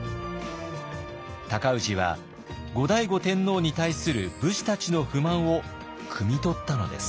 尊氏は後醍醐天皇に対する武士たちの不満をくみとったのです。